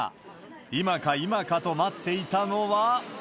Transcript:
今か今かと待っていたのは。